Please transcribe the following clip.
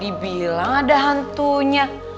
dibilang ada hantunya